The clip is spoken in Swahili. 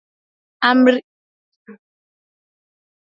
Amri kumi balimupatiaka musa juya kuongoza muntu